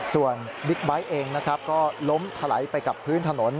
ส่วนบิ๊กไบท์เองนะครับก็ล้มถลายไปกับพื้นถนน